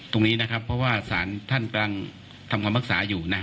ตรงนี้นะครับเพราะว่าสารท่านกำลังทำคำพักษาอยู่นะ